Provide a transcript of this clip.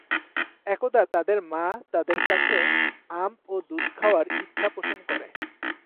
একদা তাদের মা তাদের কাছে আম ও দুধ খাওয়ার ইচ্ছা পোষণ করে।